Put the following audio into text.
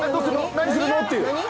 何するの？っていう」